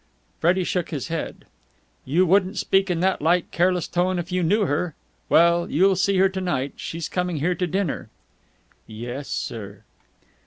Freddie shook his head. "You wouldn't speak in that light, careless tone if you knew her! Well, you'll see her to night. She's coming here to dinner." "Yes, sir."